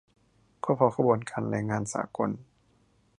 ก็เพราะขบวนการแรงงานสากล